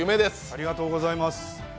ありがとうございます。